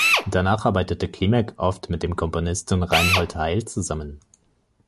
Danach arbeitete Klimek oft mit dem Komponisten Reinhold Heil zusammen.